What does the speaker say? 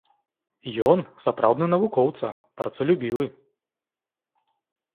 Ён сапраўдны навукоўца, працалюбівы.